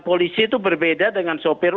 polisi itu berbeda dengan sopir